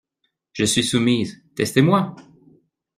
Je suis soumise, testez-moi!